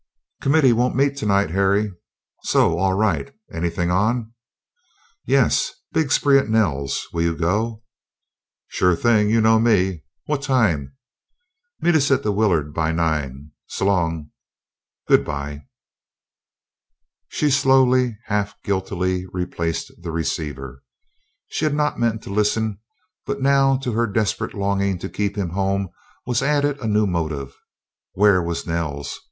" committee won't meet tonight, Harry." "So? All right. Anything on?" "Yes big spree at Nell's. Will you go?" "Sure thing; you know me! What time?" "Meet us at the Willard by nine. S'long." "Good bye." She slowly, half guiltily, replaced the receiver. She had not meant to listen, but now to her desperate longing to keep him home was added a new motive. Where was "Nell's"?